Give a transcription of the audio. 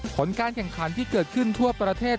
ผลการแข่งขันที่เกิดขึ้นทั่วประเทศ